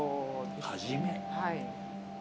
カジメ？